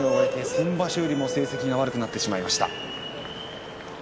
先場所よりも成績が悪くなってしまいました。